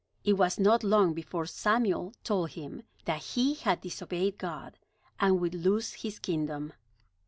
It was not long before Samuel told him that he had disobeyed God and would lose his kingdom.